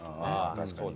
確かにね。